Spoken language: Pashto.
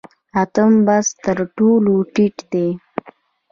اتم بست تر ټولو ټیټ دی